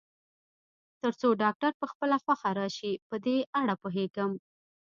تر څو ډاکټر په خپله خوښه راشي، په دې اړه پوهېږم.